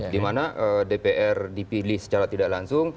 di mana dpr dipilih secara tidak langsung